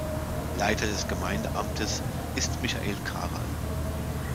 Leiter des Gemeindeamtes ist Michael Karall.